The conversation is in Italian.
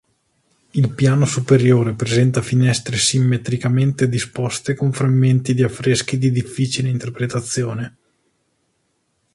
Il piano superiore presenta finestre simmetricamente disposte con frammenti di affreschi di difficile interpretazione.